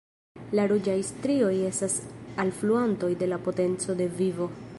La ruĝaj strioj estas alfluantoj de la potenco de vivo.